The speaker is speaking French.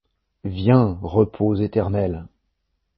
Viens, repos éternel!